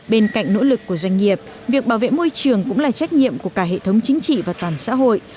bên cạnh nỗ lực của doanh nghiệp việc bảo vệ môi trường cũng là trách nhiệm của cả hệ thống chính trị và toàn xã hội